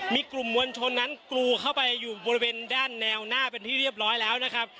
มีกลุ่มมวลชนนั้นกรูเข้าไปอยู่บริเวณด้านแนวหน้าเป็นที่เรียบร้อยแล้วนะครับ